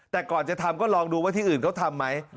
แต่ก่อนจะทำก็ลองดูว่าที่อื่นเขาทำไหม